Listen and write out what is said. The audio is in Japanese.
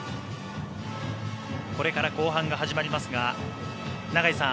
これから後半が始まりますが永井さん